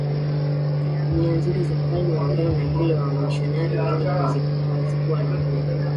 Nia nzuri za Mfalme wa Ureno na vilevile wamisionari wenyewe hazikuwa na nguvu